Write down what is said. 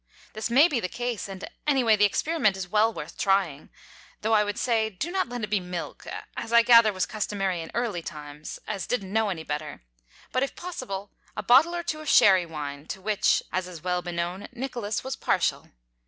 This may be the case, and anyway the experiment is well worth trying; though, I would say, do not let it be milk, as I gather was customary in early times, as didn't know any better; but, if possible, a bottle or two of sherry wine, to which, as is well beknown, Nicholas was partial.